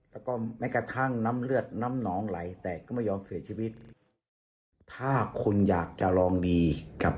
ซึ่งน้ำเลือดน้ำหนองไหลแต่ก็ไม่ยอมเสียชีวิตถ้าคุณอยากจะลองดีกับ